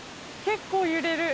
結構揺れる。